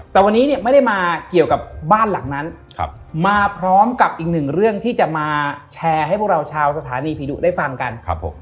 แต่วันนี้เนี่ยไม่ได้มาเกี่ยวกับบ้านหลังนั้นมาพร้อมกับอีกหนึ่งเรื่องที่จะมาแชร์ให้พวกเราชาวสถานีผีดุได้ฟังกันครับผม